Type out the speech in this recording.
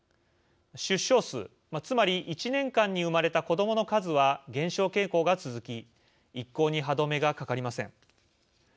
出生数、つまり１年間に産まれた子どもの数は減少傾向が続き一向に歯止めがかかりません。